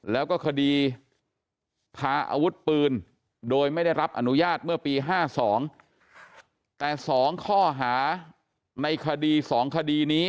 แล้วก็คดีพาอาวุธปืนโดยไม่ได้รับอนุญาตเมื่อปี๕๒แต่๒ข้อหาในคดี๒คดีนี้